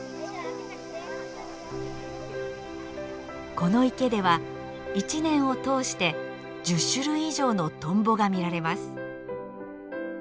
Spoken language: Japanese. この池では１年を通して１０種類以上のトンボが見られます。